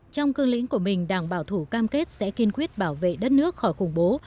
trong cương lĩnh của mình đảng bảo thủ cam kết sẽ kiên quyết bảo vệ đất nước khỏi khủng bố